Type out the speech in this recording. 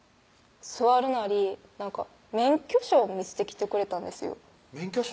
座るなり免許証見せてきてくれたんですよ免許証？